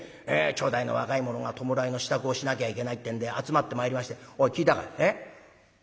町内の若い者が弔いの支度をしなきゃいけないってんで集まってまいりまして「おい聞いたかい？ええ？